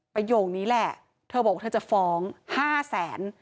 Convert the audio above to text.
ประโยคนี้แหละเธอบอกว่าเธอจะฟ้อง๕แสน